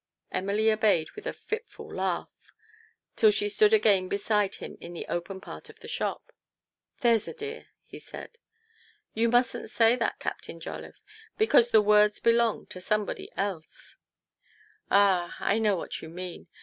Emily obeyed with a fitful laugh, till she stood again beside him in the open part of the shop. " There's a dear," he said. " You mustn't say that, Captain Jolliffe ; because the words belong to somebody else." TO PLEASE HIS WIFE. in u Ah ! I know what you mean.